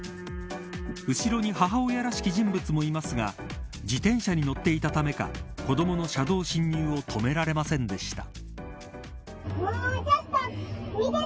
後ろに母親らしき人物もいますが自転車に乗っていたためか子どもの車道侵入を止められませんでした。